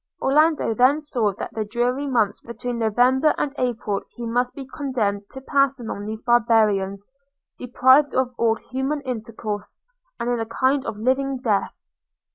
Orlando then saw that the dreary months between November and April he must be condemned to pass among these barbarians, deprived of all human intercourse, and in a kind of living death.